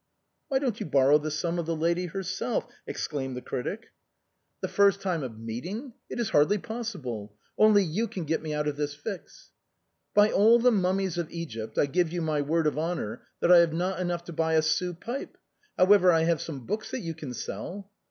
" Why don't you borrow the sum of the lady herself ?" exclaimed the critic. " The first time of meeting, it is hardly possible. Only you can get me out of this fix." " By all the mummies of Egypt I give you my word of honor that I have not enough to buy a sou pipe. How ever, I have some books that you can sell."